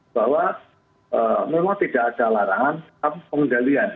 bahwa memang tidak ada larangan pengendalian